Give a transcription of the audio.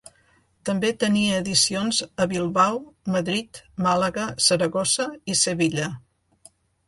També tenia edicions a Bilbao, Madrid, Màlaga, Saragossa i Sevilla.